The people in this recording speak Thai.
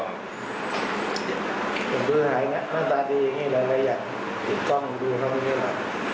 อยากดูหายม้าตาดีอย่างนี้แต่ไม่อยากดูกล้องข้อข้างนี้หรือ